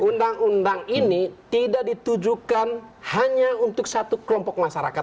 undang undang ini tidak ditujukan hanya untuk satu kelompok masyarakat